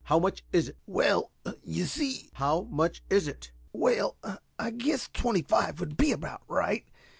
"How much is it?" "Well, you see " "How much is it?" "Well, I guess twenty five would be about right.